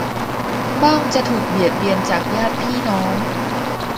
บ้างจะถูกเบียดเบียนจากญาติพี่น้อง